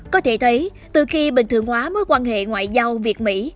có thể thấy từ khi bình thường hóa mối quan hệ ngoại giao việt mỹ